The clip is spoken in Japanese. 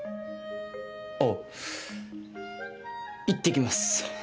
おういってきます。